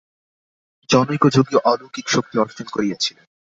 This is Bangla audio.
জনৈক যোগী অলৌকিক শক্তি অর্জন করিয়াছিলেন।